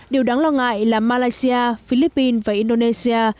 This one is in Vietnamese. điều đáng lo ngại là malaysia philippines và indonesia